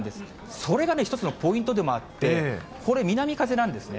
それが一つのポイントでもあって、これ、南風なんですね。